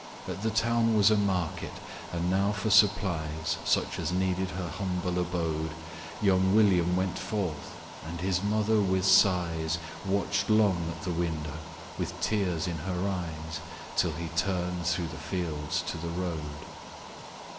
At the town was a market and now for supplies, Such as needed her humble abode, Young William went forth; and his mother with sighs Watch'd long at the window, with tears in her eyes, Till he turn'd through the fields to the road.